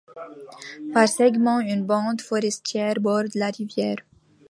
Par segments, une bande forestière borde la rivière.